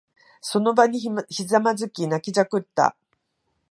その場にひざまずき、泣きじゃくった。